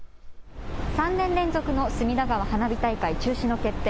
３年連続の隅田川花火大会の中止の決定。